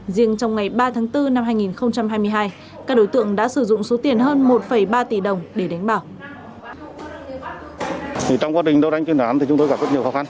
riêng trong ngày ba tháng bốn năm hai nghìn hai mươi hai các đối tượng đã sử dụng số tiền hơn một ba tỷ đồng để đánh bạc